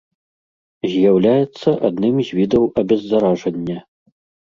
З'яўляецца адным з відаў абеззаражання.